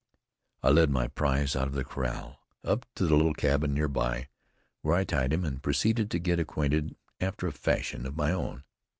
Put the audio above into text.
I led my prize out of the corral, up to the little cabin nearby, where I tied him, and proceeded to get acquainted after a fashion of my own.